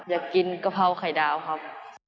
อยากกินกะเพราไข่ดาวครับ